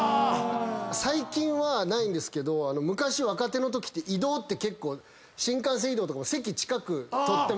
最近はないんですけど昔若手のときって移動って新幹線移動とかも席近く取ってもらってて。